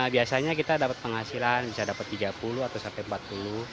biasanya kita dapat penghasilan bisa dapat tiga puluh atau sampai empat puluh